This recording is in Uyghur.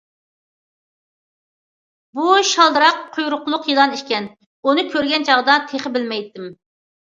بۇ شالدىراق قۇيرۇقلۇق يىلان ئىكەن، ئۇنى كۆرگەن چاغدا تېخى بىلمەيتتىم.